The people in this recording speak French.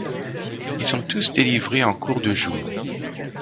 Ils sont tous délivrés en cours de jour.